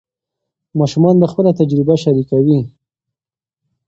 ماشومان به خپله تجربه شریکوي.